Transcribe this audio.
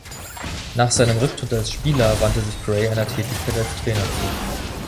Nach seinem Rücktritt als Spieler wandte sich Gray einer Tätigkeit als Trainer zu.